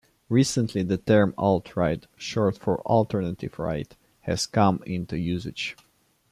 Recently the term alt-right, short for "alternative right," has come into usage.